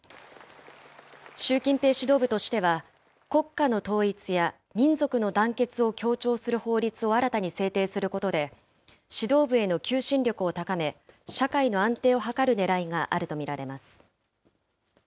習近平指導部としては、国家の統一や、民族の団結を強調する法律を新たに制定することで、指導部への求心力を高め、社会の安定を図るねらいがあると見られます。